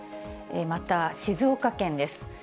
また、静岡県です。